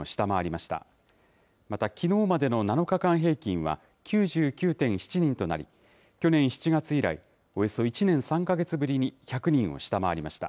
またきのうまでの７日間平均は９９．７人となり、去年７月以来、およそ１年３か月ぶりに１００人を下回りました。